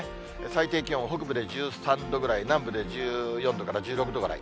最低気温は北部で１３度ぐらい、南部で１４度から１６度ぐらい。